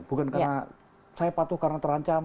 bukan karena saya patuh karena terancam